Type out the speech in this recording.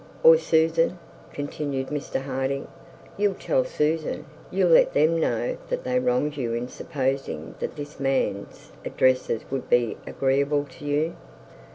'Or Susan?' continued Mr Harding. 'You'll tell Susan; you'll let them know that they wronged you in supposing that this man's addresses would be agreeable to you.'